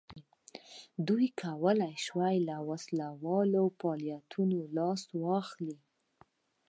دوی کولای شوای له وسله والو فعالیتونو لاس واخلي.